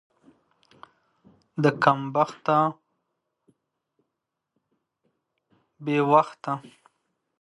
د کم بخته غول بې وخته.